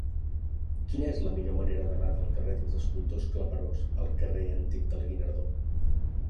Quina és la millor manera d'anar del carrer dels Escultors Claperós al carrer Antic del Guinardó?